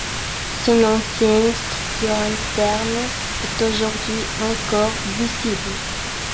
Son ancienne structure interne est aujourd'hui encore visible.